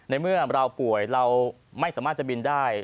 ในเมื่อเราป่วยเราไม่สามารถจะบินได้